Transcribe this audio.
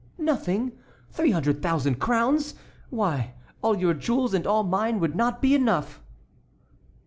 "Nothing! Three hundred thousand crowns! Why, all your jewels and all mine would not be enough."